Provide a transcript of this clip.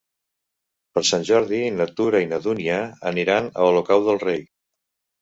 Per Sant Jordi na Tura i na Dúnia aniran a Olocau del Rei.